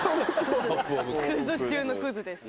クズ中のクズです。